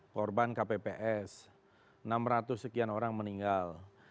korban kpps enam ratus sekian orang meninggal